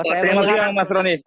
selamat siang mas roni